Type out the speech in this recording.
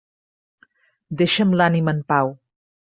Deixa'm l'ànima en pau.